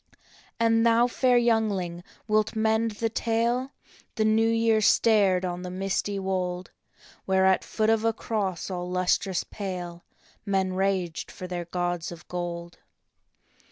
" And thou, fair youngling, wilt mend the tale? " The New Year stared on the misty wold, Where at foot of a cross all lustrous pale Men raged for their gods of gold.